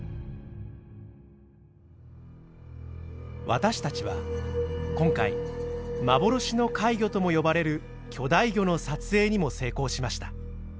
私たちは今回「幻の怪魚」とも呼ばれる巨大魚の撮影にも成功しました。